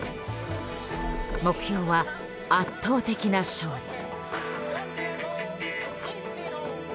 目標は圧倒的な勝利。